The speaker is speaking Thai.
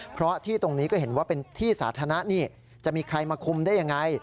เพราะที่ตรงนี้ก็เห็นว่าเป็นที่สาธารณะนี่จะมีใครมาคุมได้ยังไง